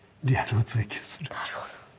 なるほど。